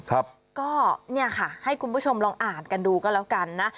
ครับก็เนี่ยค่ะให้คุณผู้ชมลองอ่านกันดูก็แล้วกันนะ